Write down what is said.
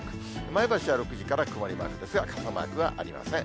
前橋は６時から曇りマークですが、傘マークはありません。